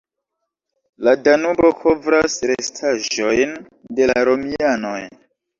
La Danubo kovras restaĵojn de la romianoj.